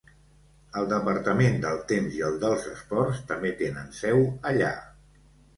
El departament del temps i el dels esports també tenen seu allà.